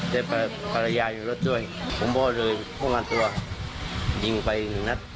มีประยายอยู่รถด้วยผมพอเลยฆ่างานตัวยิงไปหนึ่งนัด